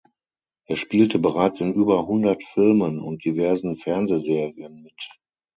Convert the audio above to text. Er spielte bereits in über hundert Filmen und diversen Fernsehserien mit.